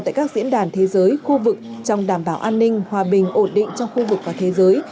tại các diễn đàn thế giới khu vực trong đảm bảo an ninh hòa bình ổn định trong khu vực và thế giới